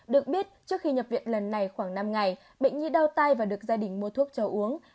được biết trước khi nhập viện lần này khoảng năm ngày bệnh nhi đau tay và được gia đình mua thuốc cho uống